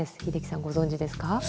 英樹さんご存じですか？